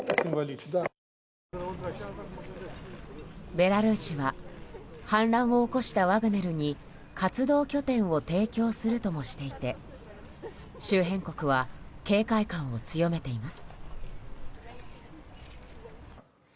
ベラルーシは反乱を起こしたワグネルに活動拠点を提供するともしていて周辺国は警戒感を強めています。